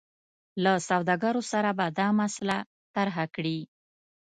له سوداګرو سره به دا مسله طرحه کړي.